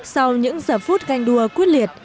sau những giả phút ganh đua quyết liệt